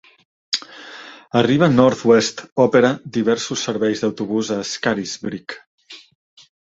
Arriva North West opera diversos serveis d'autobús a Scarisbrick.